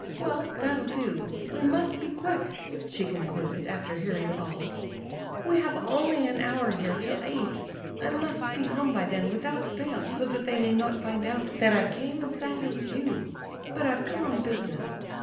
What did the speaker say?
"Well, that'll do; we must be quick," she concluded, after hearing all. "We have only an hour here, till eight; I must be home by then without fail, so that they may not find out that I came and sat here with you; but I've come on business.